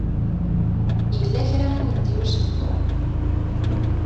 Yella kra i wen-d-yuzen Tom.